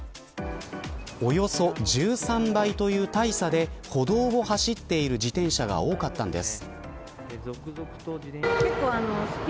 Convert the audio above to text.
およそ１３倍という大差で歩道を走っている自転車が多かったのです。